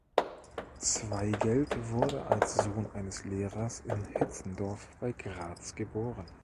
Zweigelt wurde als Sohn eines Lehrers in Hitzendorf bei Graz geboren.